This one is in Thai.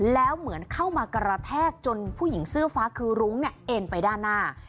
แล้วเหมือนเข้ามากระแทกจนผู้หญิงเสื้อฟ้าคือรุ้งเนี่ยเอ็นไปด้านหน้า